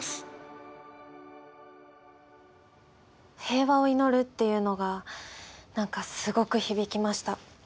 平和を祈るっていうのが何かすごく響きました。